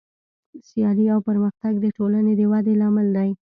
سیالي او پرمختګ د ټولنې د ودې لامل دی.